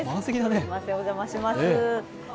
すいません、お邪魔します。